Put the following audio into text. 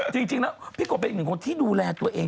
จริงแล้วพี่กบเป็นอีกหนึ่งคนที่ดูแลตัวเอง